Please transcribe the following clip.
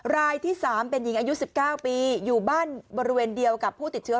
รายที่๓เป็นหญิงอายุ๑๙ปีอยู่บ้านบริเวณเดียวกับผู้ติดเชื้อ